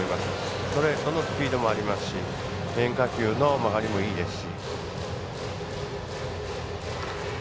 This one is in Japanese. ストレートのスピードもありますし変化球の曲がりもいいですし。